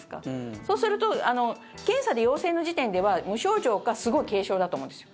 そうすると検査で陽性の時点では無症状かすごい軽症だと思うんですよ。